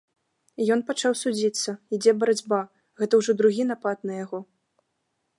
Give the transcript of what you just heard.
Ён пачаў судзіцца, ідзе барацьба, гэта ўжо другі напад на яго.